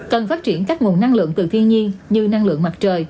cần phát triển các nguồn năng lượng từ thiên nhiên như năng lượng mặt trời